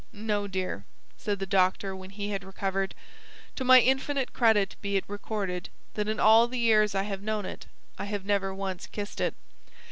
"No, dear," said the doctor when he had recovered; "to my infinite credit be it recorded, that in all the years I have known it I have never once kissed it."